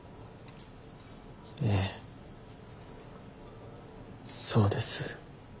ええそうです。